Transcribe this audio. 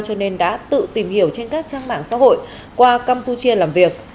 cho nên đã tự tìm hiểu trên các trang mạng xã hội qua campuchia làm việc